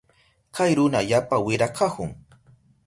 Kay runa yapa wira kahun.